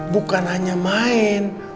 bukan hanya main